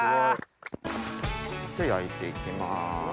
焼いて行きます。